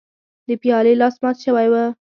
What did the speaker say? د پیالې لاس مات شوی و.